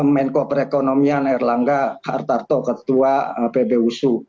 menko perekonomian erlangga hartarto ketua pbusu